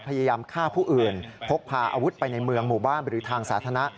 พยายามฆ่าผู้อื่นพกพาอาวุธไปในเมืองหมู่บ้านหรือทางสาธารณะ